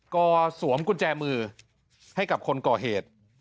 ก็สวมกุญแจมือให้กับคนก่อเหตุ